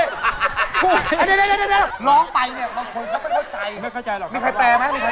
ถ้าสิ่งว่าเราไม่เข้าใจ